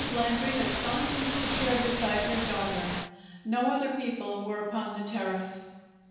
Landry had sunk into a chair beside her daughter. No other people were upon the terrace.